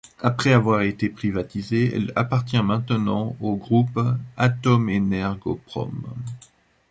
Après avoir été privatisée, elle appartient maintenant au groupe Atomenergoprom.